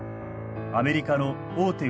アメリカの大手